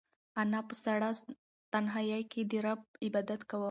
انا په سړه تنهایۍ کې د رب عبادت کاوه.